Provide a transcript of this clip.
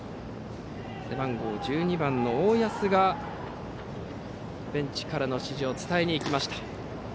背番号１２番の大安がベンチからの指示を伝えにいった。